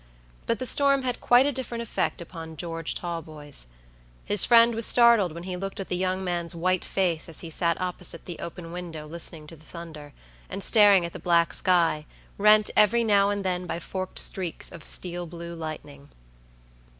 But the storm had quite a different effect upon George Talboys. His friend was startled when he looked at the young man's white face as he sat opposite the open window listening to the thunder, and staring at the black sky, rent every now and then by forked streaks of steel blue lightning.